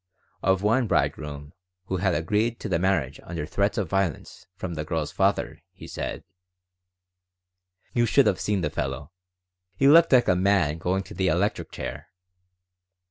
Of one bridegroom, who had agreed to the marriage under threats of violence from the girl's father, he said: "You should have seen the fellow! He looked like a man going to the electric chair.